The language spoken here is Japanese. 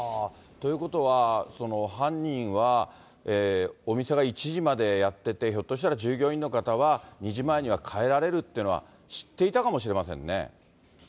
ということは、犯人はお店が１時までやっていて、ひょっとしたら従業員の方は２時前には帰られるっていうのは、知っていたかもしれませんね。